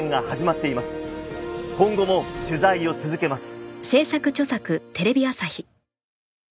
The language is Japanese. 今後も取材を続けます。